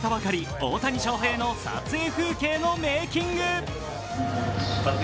大谷翔平の撮影風景のメイキング。